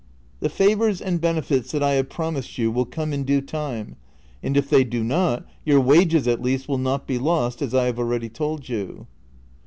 ^ The favors and benefits that I have promised you will come in due time, and if they do not your wages at least will not be lost, as I have already told you."